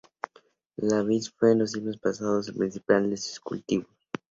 La vid fue en siglos pasados el principal de sus cultivos.